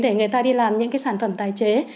để người ta đi làm những cái sản phẩm tái chế